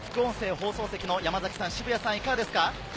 放送席の山崎さん、渋谷さん、いかがですか？